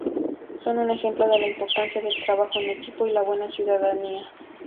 Son un ejemplo de la importancia del trabajo en equipo y la buena ciudadanía.